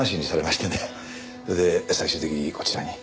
それで最終的にこちらに。